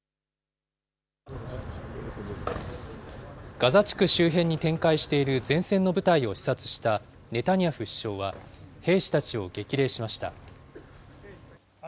ガザ地区周辺に展開している前線の部隊を視察したネタニヤフ首相は兵士たちを激励しました。